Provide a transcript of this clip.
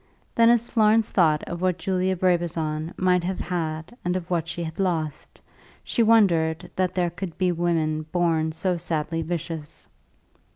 Then as Florence thought of what Julia Brabazon might have had and of what she had lost, she wondered that there could be women born so sadly vicious.